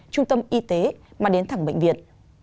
trung tâm y tế mà đến thẳng bệnh viện